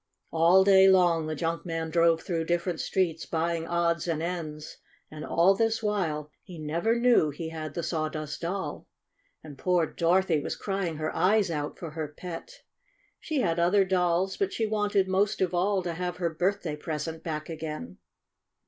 All day long the junk man drove through different streets buying odds and ends, and, all this while, he never knew he had the Sawdust Doll. And poor Dorothy was crying her eyes out for her pet. She had other dolls, but she wanted, most of all, to have her birth day present back again.